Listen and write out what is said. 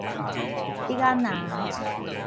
竹仔籃